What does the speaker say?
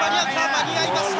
間に合いました。